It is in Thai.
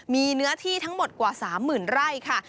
มีเนื้อที่ทั้งหมดกว่า๓๐๐๐ไร่ค่ะ